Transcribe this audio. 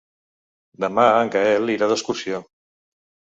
Demà en Gaël irà d'excursió.